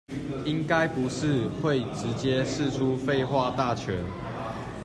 應該不是會直接釋出廢話大全